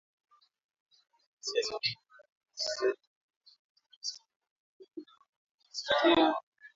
Tunisia siku ya Alhamis ilichapisha rasimu ya katiba mpya inayompa Rais mamlaka makubwa zaidi.